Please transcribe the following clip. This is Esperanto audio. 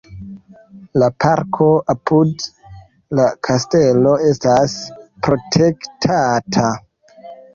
La parko apud la kastelo estas protektata.